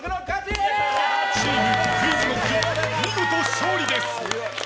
チームＱｕｉｚＫｎｏｃｋ見事勝利です！